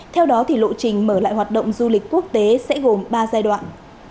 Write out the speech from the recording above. theo đó thì lộ trình mở lại hoạt động du lịch quốc tế sẽ gồm ba giai đoạn